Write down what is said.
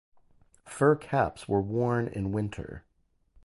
Fur caps were worn in winter.